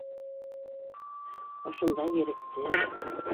Ошонда еректе.